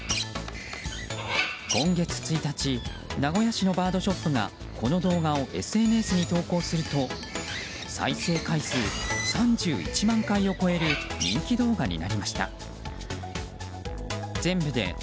今月１日名古屋市のバードショップがこの動画をＳＮＳに投稿すると再生回数３１万回を超える人気動画になりました。